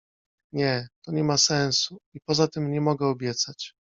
” „Nie, to nie ma sensu i poza tym nie mogę obiecać.